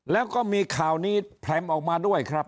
แล้วก็มีข่าวนี้แพร่มออกมาด้วยครับ